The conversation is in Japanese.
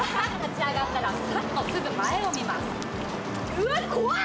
うわっ、怖い！